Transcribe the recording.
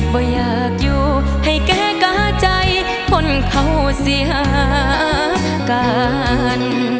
บ่อยอยากอยู่ให้แก่กาใจคนเขาเสียกัน